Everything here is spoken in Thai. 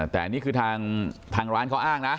แต่อันนี้คือทางร้านเขาอ้างนะ